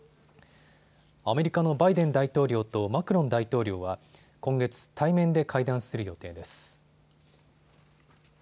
アメリカのバイデン大統領とマクロン大統領は今月、対面で会談する予定です。